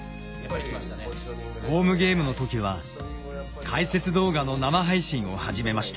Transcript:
ホームゲームの時は解説動画の生配信を始めました。